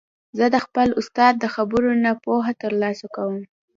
زه د خپل استاد د خبرو نه پوهه تر لاسه کوم.